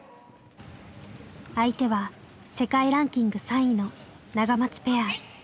相手は世界ランキング３位のナガマツペア。